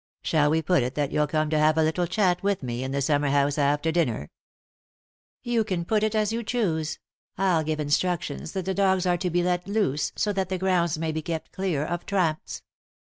Shall we put it that you'll come to have a little chat with me in the summer house after dinner 7 " "You can put it as you choose. I'll give in structions that the dogs are to be let loose, so that the grounds may be kept clear of tramps."